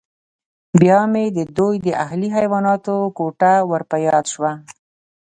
بیا مې د دوی د اهلي حیواناتو کوټه ور په یاد شوه